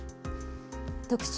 特集